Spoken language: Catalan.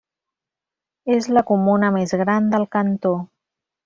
És la comuna més gran del cantó.